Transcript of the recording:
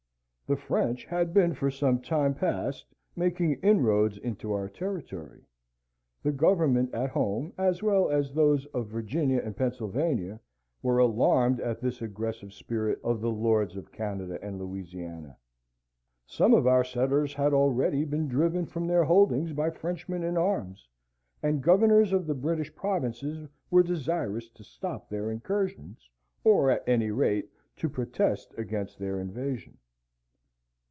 The French had been for some time past making inroads into our territory. The government at home, as well as those of Virginia and Pennsylvania, were alarmed at this aggressive spirit of the Lords of Canada and Louisiana. Some of our settlers had already been driven from their holdings by Frenchmen in arms, and the governors of the British provinces were desirous to stop their incursions, or at any rate to protest against their invasion.